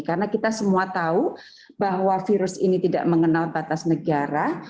karena kita semua tahu bahwa virus ini tidak mengenal batas negara